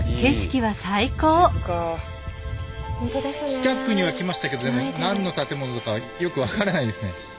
近くには来ましたけどでも何の建物かよく分からないですね。